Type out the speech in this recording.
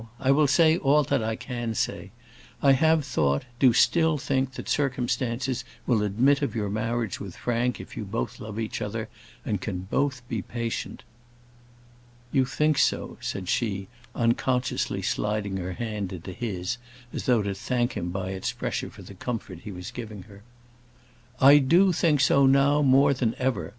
I will say all that I can say. I have thought, do still think, that circumstances will admit of your marriage with Frank if you both love each other, and can both be patient." "You think so," said she, unconsciously sliding her hand into his, as though to thank him by its pressure for the comfort he was giving her. "I do think so now more than ever.